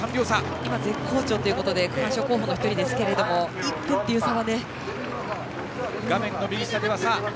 今、絶好調ということで優勝候補の１人ですが１分という差はね。